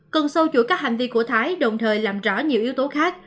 cân sâu chuỗi các hành vi của thái đồng thời làm rõ nhiều yếu tố khác